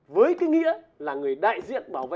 với cái nghĩa là người đại diện bảo vệ